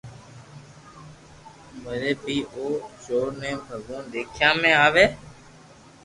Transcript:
وري بي او چور ني ڀگوان دآکيا ۾ آوي